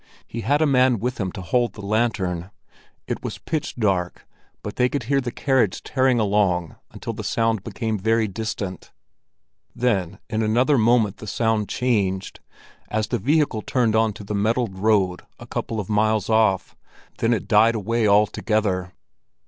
He had a man with him to hold the lantern. It was pitch dark, but they could hear the carriage tearing along until the sound became very distant; then in another moment the sound changed, as the vehicle turned on to the metalled road a couple of miles off. Then it died away altogether.